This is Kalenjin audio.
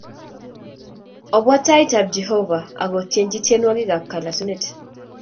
Obwa tait ab Jehovah akotienchu tienwokik a kalasunet